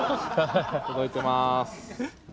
届いてます。